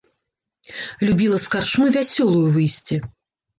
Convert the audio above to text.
Любіла з карчмы вясёлаю выйсці.